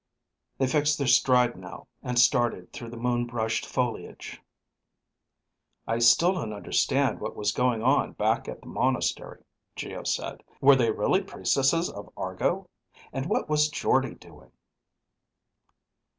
They fixed their stride now and started through the moon brushed foliage. "I still don't understand what was going on back at the monastery," Geo said. "Were they really priestesses of Argo? And what was Jordde doing?"